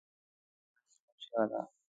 سندره د جګړې خلاف چیغه ده